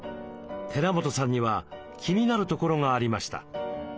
寺本さんには気になるところがありました。